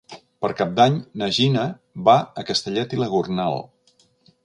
Per Cap d'Any na Gina va a Castellet i la Gornal.